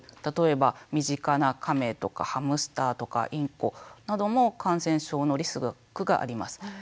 例えば身近なカメとかハムスターとかインコなども感染症のリスクがあります。